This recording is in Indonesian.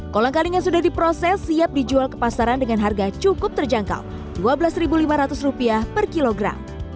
kolang kaling yang sudah diproses siap dijual ke pasaran dengan harga cukup terjangkau rp dua belas lima ratus per kilogram